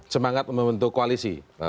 semangat membentuk koalisi